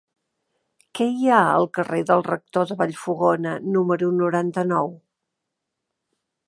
Què hi ha al carrer del Rector de Vallfogona número noranta-nou?